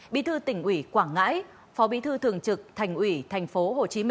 bí thư tỉnh ủy quảng ngãi phó bí thư thường trực thành ủy tp hcm